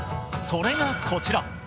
それがこちら。